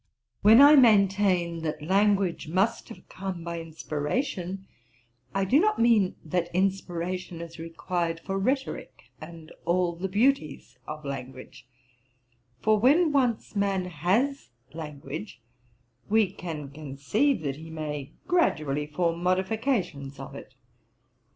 When I maintain that language must have come by inspiration, I do not mean that inspiration is required for rhetorick, and all the beauties of language; for when once man has language, we can conceive that he may gradually form modifications of it.